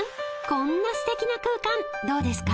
こんなすてきな空間どうですか？］